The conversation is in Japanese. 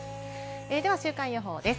では週間予報です。